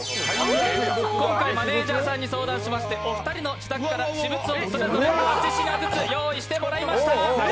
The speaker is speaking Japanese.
今回マネージャーさんに相談しまして、お二人の自宅から私物を各８品ずつご用意しました。